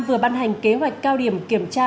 vừa ban hành kế hoạch cao điểm kiểm tra